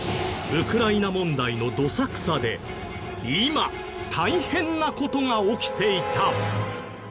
ウクライナ問題のドサクサで今大変な事が起きていた！